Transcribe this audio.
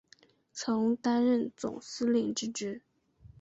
曾担任总司令之职。